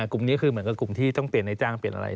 กลุ่มนี้คือเหมือนกับกลุ่มที่ต้องเปลี่ยนในจ้างเปลี่ยนอะไร